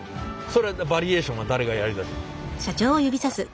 それバリエーションは誰がやりだした？